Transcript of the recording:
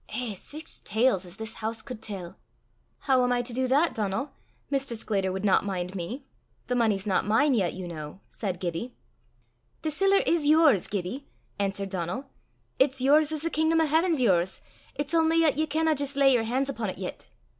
Eh! sic tales as this hoose cud tell!" "How am I to do that, Donal? Mr. Sclater would not mind me. The money's not mine yet, you know," said Gibbie. "The siller is yours, Gibbie," answered Donal; "it's yours as the kingdom o' haiven's yours; it's only 'at ye canna jist lay yer han's upo' 't yet.